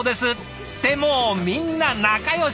もうみんな仲良し！